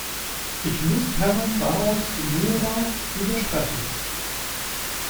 Ich muss Herrn Barros Moura widersprechen.